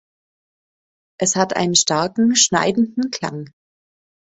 Es hat einen starken, schneidenden Klang.